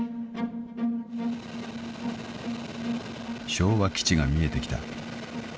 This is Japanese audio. ［昭和基地が見えてきた］